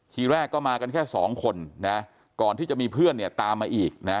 ทีแรกก็มากันแค่สองคนนะก่อนที่จะมีเพื่อนเนี่ยตามมาอีกนะ